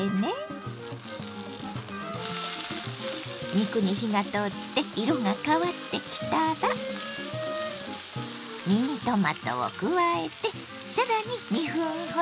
肉に火が通って色が変わってきたらミニトマトを加えて更に２分ほど炒めます。